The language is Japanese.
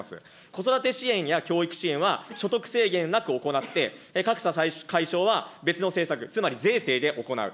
子育て支援や教育支援は所得制限なく行って、格差解消は別の政策、つまり税制で行う。